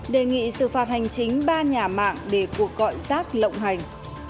đề nghị xử phạt hành chính ba nhà mạng để cuộc gọi rác lộng hành